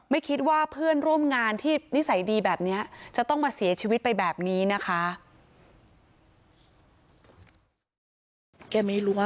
ไม่คิดว่าเพื่อนร่วมงานที่นิสัยดีแบบนี้จะต้องมาเสียชีวิตไปแบบนี้นะคะ